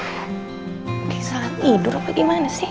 kayak sangat tidur apa gimana sih